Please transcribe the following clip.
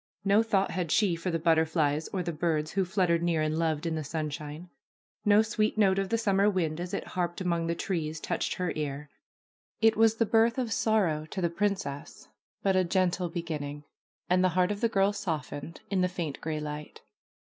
No thought had she for the butterflies or the birds who fluttered near and loved in the sunshine. No sweet note of the summer wind as it harped among the trees touched her ear. It was the birth of sorrow to the princess, but a gentle beginning, and the heart of the girl softened in the faint gray light.